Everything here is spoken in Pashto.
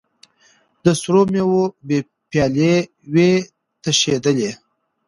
د سرو میو به پیالې وې تشېدلې